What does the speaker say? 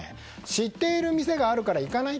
知っている店があるから行かない？